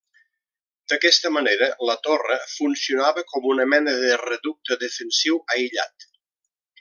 D'aquesta manera, la torre funcionava com una mena de reducte defensiu aïllat.